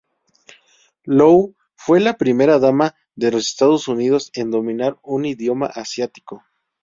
Lou fue la primera dama de los Estados Unidos en dominar un idioma asiático.